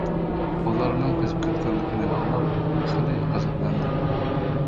ئۇلارنىڭ قېچىپ كەتكەنلىكىنى ئاڭلاپ خېلى غەزەپلەندى.